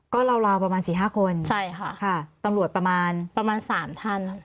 ก็ราวประมาณสี่ห้าคนใช่ค่ะค่ะตำรวจประมาณประมาณสามท่าน